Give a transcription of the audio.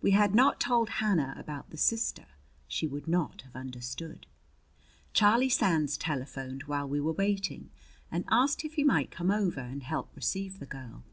We had not told Hannah about the sister; she would not have understood. Charlie Sands telephoned while we were waiting and asked if he might come over and help receive the girl.